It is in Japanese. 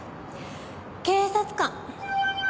警察官。